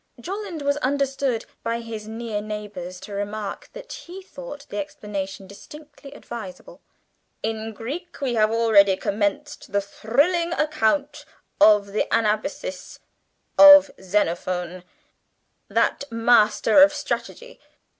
(Jolland was understood by his near neighbours to remark that he thought the explanation distinctly advisable), "whilst, in Greek, we have already commenced the thrilling account of the 'Anabasis' of Xenophon, that master of strategy!